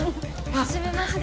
はじめまして。